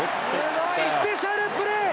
スペシャルプレー！